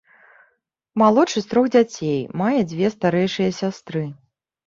Малодшы з трох дзяцей, мае дзве старэйшыя сястры.